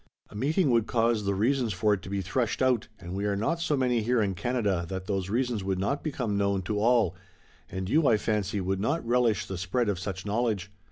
A meeting would cause the reasons for it to be threshed out, and we are not so many here in Canada that those reasons would not become known to all, and you, I fancy, would not relish the spread of such knowledge.